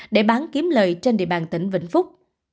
để bán kiếm lời trên địa bàn tỉnh vĩnh phúc